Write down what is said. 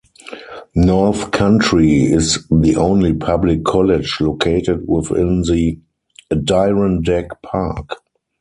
North Country is the only public college located within the Adirondack Park.